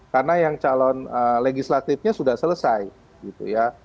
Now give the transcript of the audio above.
karena yang calon legislatifnya sudah selesai gitu ya